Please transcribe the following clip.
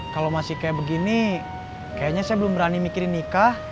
kalau masih kayak begini kayaknya saya belum berani mikirin nikah